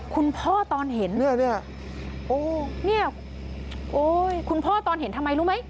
พ่อตอนเห็นเนี่ยโอ้เนี่ยโอ้ยคุณพ่อตอนเห็นทำไมรู้ไหม